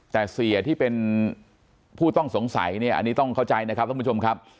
แต่เสียที่เป็นผู้ต้องสงสัยเนี่ยอันนี้ต้องเข้าใจนะครับท่านผู้ชมครับ